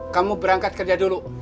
kamu berangkat kerja dulu